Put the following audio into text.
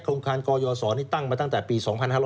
โครงการกยศรนี่ตั้งมาตั้งแต่ปี๒๕๕๙